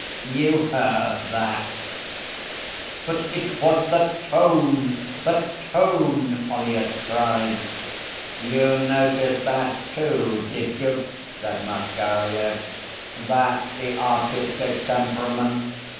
You heard that?' 'But it was the tone the tone,' Ollyett cried. 'You noticed that, too, did you?' said Masquerier. 'That's the artistic temperament.